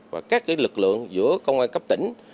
và các lực lượng giữa công an cấp tỉnh